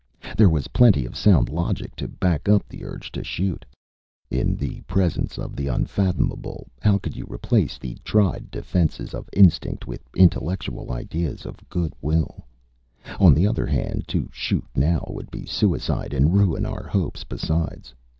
There was plenty of sound logic to back up the urge to shoot. In the presence of the unfathomable, how could you replace the tried defenses of instinct with intellectual ideas of good will? On the other hand, to shoot now would be suicide and ruin our hopes, besides.